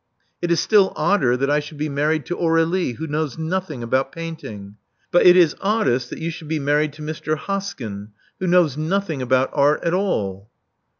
It is still odder that I should be married to Aur^lie, who knows nothing about painting. But it is oddest that you should be married to Mr. Hoskyn, who knows nothing about art at all."